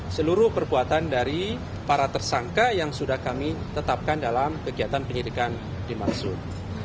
seluruh perbuatan dari para tersangka yang sudah kami tetapkan dalam kegiatan penyidikan dimaksud